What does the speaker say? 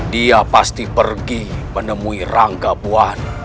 dia pasti pergi menemui rangabuan